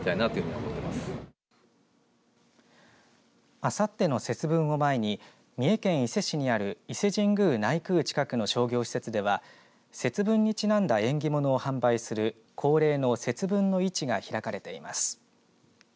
あさっての節分を前に三重県伊勢市にある伊勢神宮内宮近くの商業施設では節分にちなんだ縁起物を販売する恒例の節分の市が開かれています。